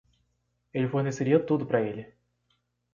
Ele forneceria tudo para ele.